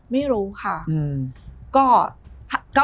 ไม่รู้ค่ะ